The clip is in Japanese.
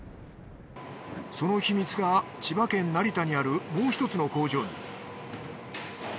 その秘密が千葉県・成田にあるもうひとつの工場に。